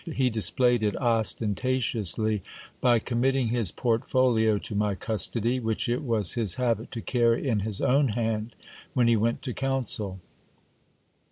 He displayed it ostentatiously, by committing his portfolio to my custody, which it was his habit to carry in his own hand when he went to council.